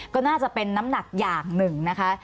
ก็น่าจะเป็นน้ำหนักอย่างหนึ่งนะคะ